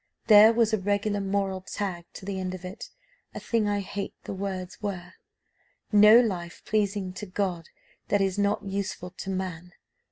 There was a regular moral tagged to the end of it, a thing I hate, the words were, 'No life pleasing to God that is not useful to man.